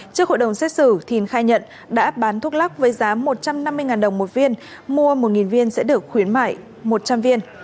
trước hội đồng xét xử thìn khai nhận đã bán thuốc lắc với giá một trăm năm mươi đồng một viên mua một viên sẽ được khuyến mại một trăm linh viên